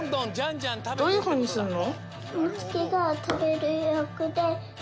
どういうふうにするの？